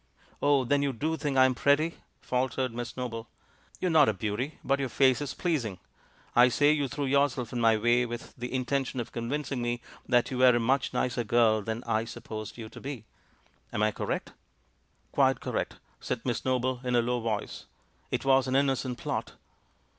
"Oh, then you do think I'm pretty?" faltered Miss Noble. "You are not a beauty, but your face is pleas ing. I say you threw yourself in my way with the intention of convincing me that you were a much nicer girl than I supposed you to be. Am I correct?" "Quite correct," said Miss Noble in a low voice. "It was an innocent plot."